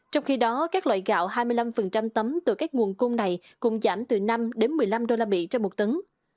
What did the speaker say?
trong khi đó các loại gạo hai mươi năm tấm từ các nguồn cung này cũng giảm từ năm một mươi năm usd trong một tấn